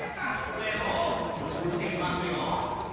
これをつぶしていきますよ。